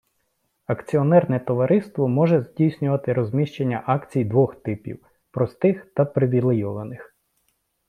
Акціонерне товариство може здійснювати розміщення акцій двох типів - простих та привілейованих.